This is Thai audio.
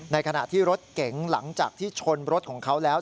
ขณะที่รถเก๋งหลังจากที่ชนรถของเขาแล้ว